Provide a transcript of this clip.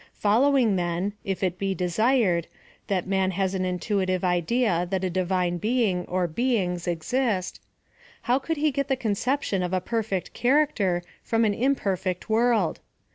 Allowing, then, (if it be desired,) that man has an intuitive idea that a Divine Being, or Beings, exist — how could he get the concep tion of a perfect character from an imperfect world